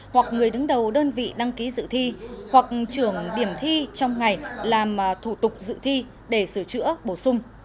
hoặc người đứng đầu đơn vị đăng ký dự thi hoặc trưởng điểm thi trong ngày làm thủ tục dự thi để sửa chữa bổ sung